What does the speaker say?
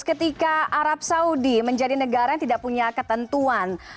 ketika arab saudi menjadi negara yang tidak punya ketentuan